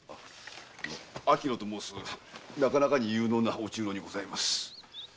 秋野ともうすなかなかに有能なお中臈にございます。